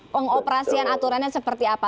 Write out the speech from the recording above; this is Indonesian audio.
pengoperasian aturannya seperti apa